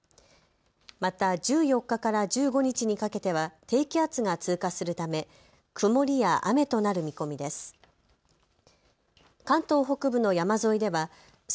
また、１４日から１５日にかけては低気圧が通過するため曇りや雨となる見込みです。